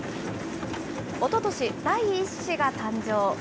おととし、第１子が誕生。